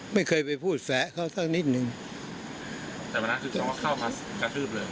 ไม่เคยไปพูดแฟะเขาสักนิดนึงแต่วันนั้นคือสองก็เข้ามากระทืบเลย